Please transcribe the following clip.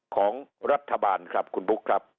ของรัฐบาลครับคุณบุ๊คครับ